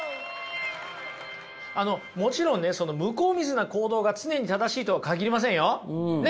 もちろんね向こう見ずな行動が常に正しいとは限りませんよ。